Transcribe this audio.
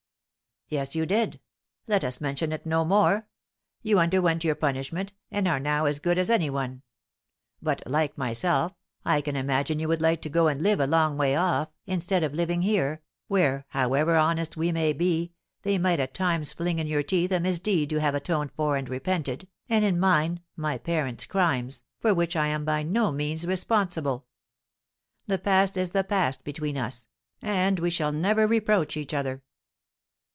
"Yes, you did; let us mention it no more. You underwent your punishment, and are now as good as any one. But, like myself, I can imagine you would like to go and live a long way off, instead of living here, where, however honest we may be, they might at times fling in your teeth a misdeed you have atoned for and repented, and, in mine, my parents' crimes, for which I am by no means responsible. The past is the past between us, and we shall never reproach each other."